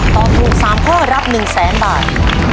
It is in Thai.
ตอบถูก๓ข้อรับ๑๐๐๐๐๐บาท